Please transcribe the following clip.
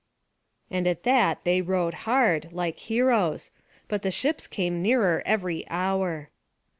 And at that they rowed hard, like heroes; but the ships came nearer every hour.